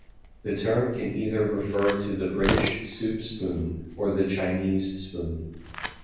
The term can either refer to the British soup spoon or the Chinese spoon.